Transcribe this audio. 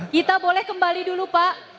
kita boleh kembali dulu pak